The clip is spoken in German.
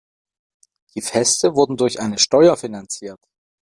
Die Feste wurden durch eine Steuer finanziert.